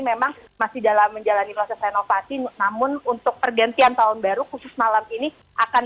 memang masih dalam menjalani proses renovasi namun untuk pergantian tahun baru khusus malam ini akan